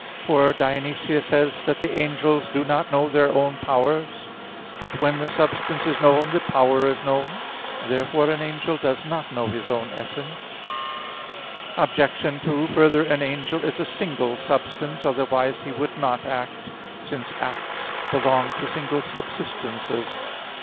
For Dionysius says that "the angels do not know their own powers" (Coel. Hier. vi). But, when the substance is known, the power is known. Therefore an angel does not know his own essence. Obj. 2: Further, an angel is a single substance, otherwise he would not act, since acts belong to single subsistences.